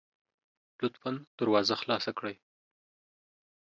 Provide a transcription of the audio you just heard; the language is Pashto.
لطفا دروازه خلاصه کړئ